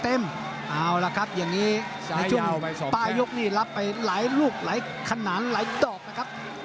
เอาล่ะครับอย่างนี้ในช่วงปลายยกนี่รับไปหลายลูกหลายขนาดหลายดอกนะครับ